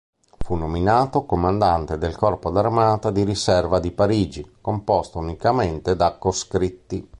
Fu nominato comandante del corpo d'armata di riserva di Parigi, composto unicamente da coscritti.